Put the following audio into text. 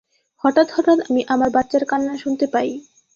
হঠাৎ হঠাৎ আমি আমার বাচ্চার কান্না শুনতে পাই।